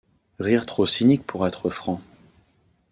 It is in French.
Rire trop cynique pour être franc.